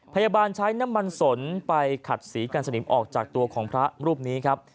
พยาบาลใช้น้ำมันสนไปขัดสีกันสนิมออกจากตัวของพระรูปนี้ครับ